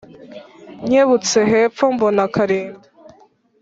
Nkebutse hepfo mbona Kalinda